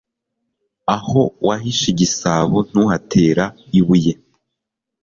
Aho wahishe igisabo, ntuhatera ibuye.